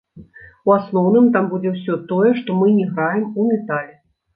У асноўным, там будзе ўсё тое, што мы не граем у метале.